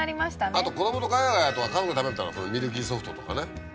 あと子供とガヤガヤとか家族と食べるんだったらミルキーソフトとかね。